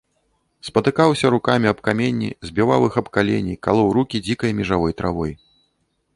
Спатыкаўся рукамі аб каменні, збіваў аб іх калені, калоў рукі дзікай межавой травой.